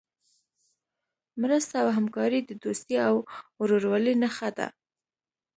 مرسته او همکاري د دوستۍ او ورورولۍ نښه ده.